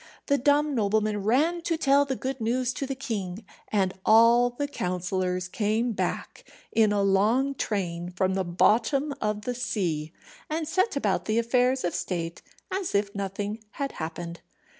The dumb nobleman ran to tell the good news to the king, and all the counsellors came back in a long train from the bottom of the sea, and set about the affairs of state as if nothing had happened.